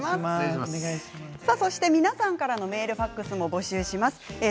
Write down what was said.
そして皆さんからのメールファックスも募集しています。